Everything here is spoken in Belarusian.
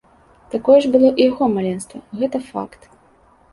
Такое ж было і яго маленства, гэта факт.